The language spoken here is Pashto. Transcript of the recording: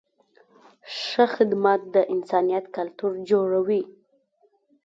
ښه خدمت د انسانیت کلتور جوړوي.